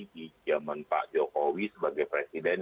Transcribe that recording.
di zaman pak jokowi sebagai presiden